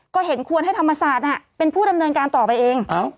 ก็เห็นควรให้ธรรมศาสตร์เป็นผู้ดำเนินการต่อไปเอง